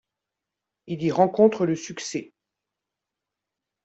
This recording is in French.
Il y rencontre le succès.